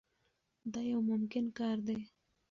دا یو ممکن کار دی.